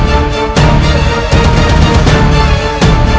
dengan kamu tertotok seperti ini